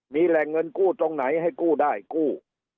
มีแหล่งเงินกู้ตรงไหนให้กู้ได้กู้